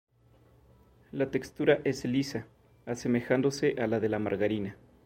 La textura es lisa, asemejándose a la de la margarina.